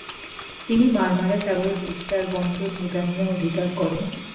তিনি মার্মারা সাগরে বুরসার বন্দর মুদানিয়া অধিকার করেন।